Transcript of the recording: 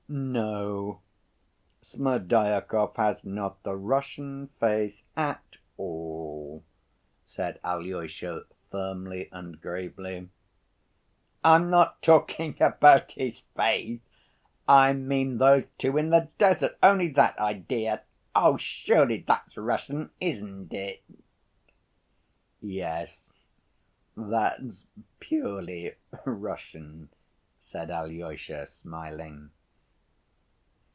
"No, Smerdyakov has not the Russian faith at all," said Alyosha firmly and gravely. "I'm not talking about his faith. I mean those two in the desert, only that idea. Surely that's Russian, isn't it?" "Yes, that's purely Russian," said Alyosha smiling.